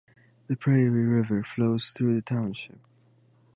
The Prairie River flows through the township.